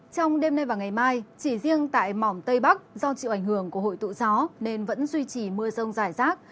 trong đêm nay và ngày mai chỉ riêng tại mỏm tây bắc do chịu ảnh hưởng của hội tụ gió nên vẫn duy trì mưa rông rải rác